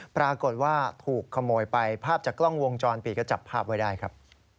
ปรากฏว่าถูกขโมยไปภาพจากกล้องวงจรปิดก็จับภาพไว้ได้ครับ